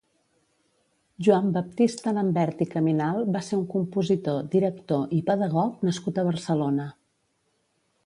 Joan Baptista Lambert i Caminal va ser un compositor, director i pedagog nascut a Barcelona.